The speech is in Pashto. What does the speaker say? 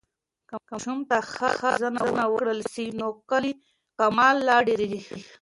که ماشوم ته ښه روزنه ورکړل سي، نو کلی کمال لا ډېرېږي.